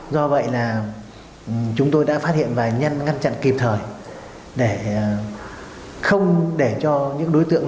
do vậy là chúng tôi đã phát hiện và ngăn chặn kịp thời để không để cho những đối tượng